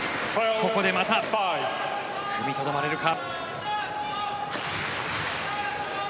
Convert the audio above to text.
ここでまた踏みとどまれるか。